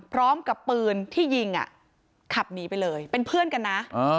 พร้อมกับปืนที่ยิงขับหนีไปเลยเป็นเพื่อนกันนะ